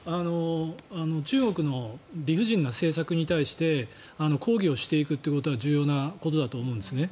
中国の理不尽な政策に対して抗議していくことは重要なことだと思うんですね。